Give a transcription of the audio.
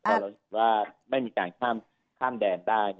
พอเราเห็นว่าไม่มีการข้ามแดนได้